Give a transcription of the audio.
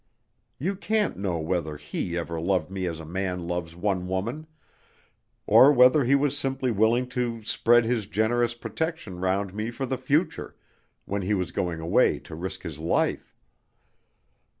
You can't know whether he ever loved me as a man loves one woman, or whether he was simply willing to spread his generous protection round me for the future, when he was going away to risk his life.